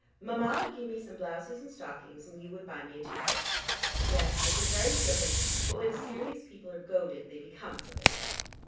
Mama would give me some blouses and stockings, and you would buy me a tooth brush. Yes, this is very flippant, but when serious people are goaded they become flippant.